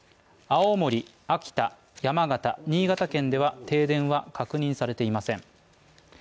青森、秋田、山形、新潟県では停電は確認されていません。